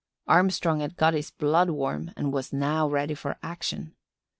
Armstrong had got his blood warm and was now ready for action.